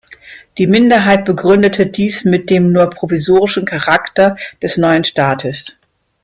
Die Minderheit begründete dies mit dem nur provisorischen Charakter des neuen Staates.